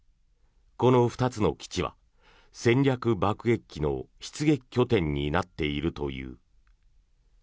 この２つの基地は戦略爆撃機の出撃拠点になっているという。